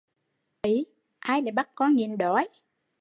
Bậy ! Ai lại bắt con nhịn đói